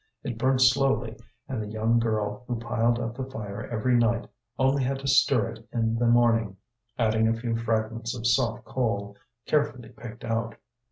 It burnt slowly, and the young girl, who piled up the fire every night, only had to stir it in the morning, adding a few fragments of soft coal, carefully picked out.